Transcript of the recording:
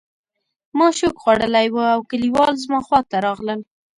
ما شوک خوړلی و او کلیوال زما خواته راغلل